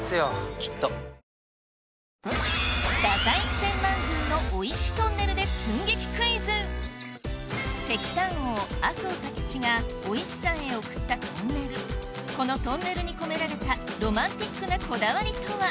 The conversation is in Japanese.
きっと太宰府天満宮の石炭王麻生太吉がお石さんへ贈ったトンネルこのトンネルに込められたロマンティックなこだわりとは？